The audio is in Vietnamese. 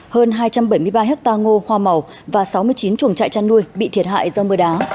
hơn hai trăm bảy mươi ba hectare ngô hoa màu và sáu mươi chín chuồng trại chăn nuôi bị thiệt hại do mưa đá